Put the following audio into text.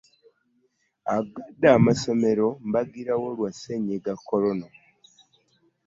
Aggadde n'amasomero mbagirawo lwa ssennyiga Corona.